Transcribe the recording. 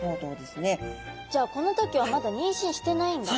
じゃあこの時はまだ妊娠してないんだ。